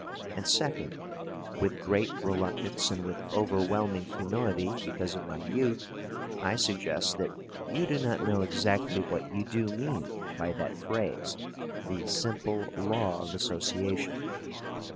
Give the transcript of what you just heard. And, second, with great reluctance and with overwhelming humility, because of my youth, I suggest that you do not know exactly what you do mean by that phrase "the simple law of association."